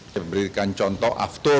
kita berikan contoh afto